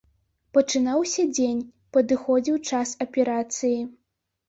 Пачынаўся дзень, падыходзіў час аперацыі.